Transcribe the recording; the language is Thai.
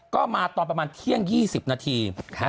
ก็มาตอนประมาณเที่ยง๒๐นาที